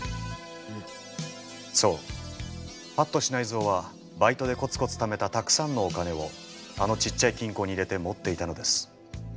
そう八渡支内造はバイトでコツコツためたたくさんのお金をあのちっちゃい金庫に入れて持っていたのです。